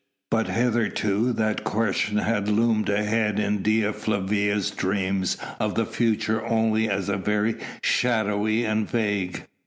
But hitherto that question had loomed ahead in Dea Flavia's dreams of the future only as very shadowy and vague.